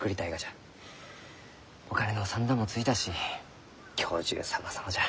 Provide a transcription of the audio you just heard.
お金の算段もついたし教授様々じゃ。